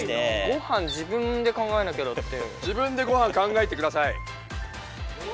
ごはん自分で考えなきゃだって。